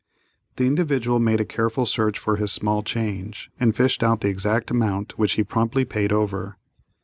The Individual made a careful search for his small change, and fished out the exact amount which he promptly paid over.